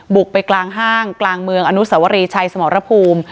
บุกไปกลางห้างกลางเมืองอนุสวรีชัยสมรภูมิ